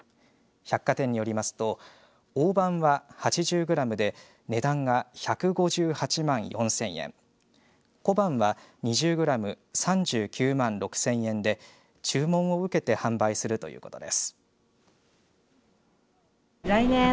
百貨店によりますと大判は８０グラムで値段は１５８万４０００円小判は２０グラム３９万６０００円で注文を受けて販売するということです。